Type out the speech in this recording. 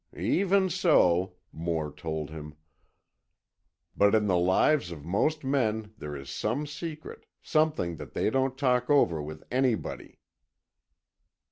"Even so," Moore told him. "But in the lives of most men there is some secret, something that they don't talk over with anybody."